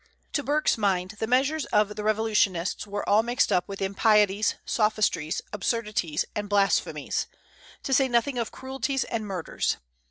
To Burke's mind, the measures of the revolutionists were all mixed up with impieties, sophistries, absurdities, and blasphemies, to say nothing of cruelties and murders.